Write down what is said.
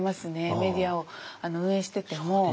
メディアを運営してても。